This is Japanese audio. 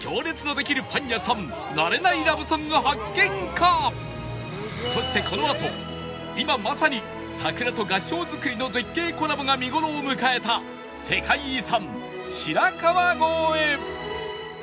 ついにそしてこのあと今まさに桜と合掌造りの絶景コラボが見頃を迎えた世界遺産白川郷へ